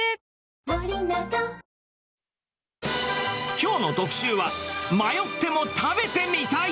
きょうの特集は、迷っても食べてみたい！